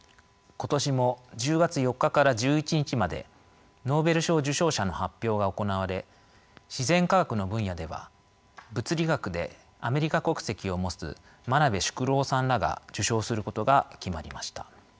今年も１０月４日から１１日までノーベル賞受賞者の発表が行われ自然科学の分野では物理学でアメリカ国籍を持つ眞鍋淑郎さんらが受賞することが決まりました。